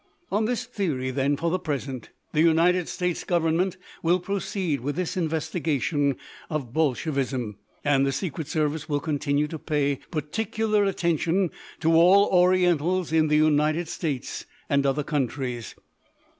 _ "_On this theory then, for the present, the United States Government will proceed with this investigation of Bolshevism; and the Secret Service will continue to pay particular attention to all Orientals in the United States and other countries.